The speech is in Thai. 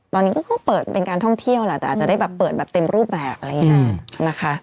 ตอนนี้ก็เพิ่งเปิดเป็นการท่องเที่ยวแหละแต่อาจจะได้แบบเปิดแบบเต็มรูปแบบอะไรอย่างนี้นะคะ